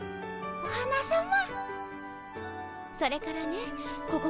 お花さま。